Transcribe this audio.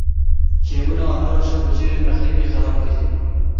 Kêmbûna avê rewşa koçerên Mexribê xerab kiriye.